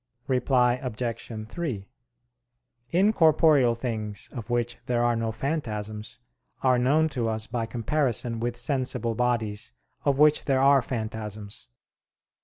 Reply Obj. 3: Incorporeal things, of which there are no phantasms, are known to us by comparison with sensible bodies of which there are phantasms.